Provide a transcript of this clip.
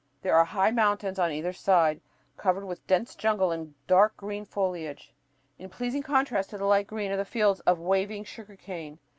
There are high mountains on either side, covered with dense jungle and dark green foliage, in pleasing contrast to the light green of the fields of waving sugar cane.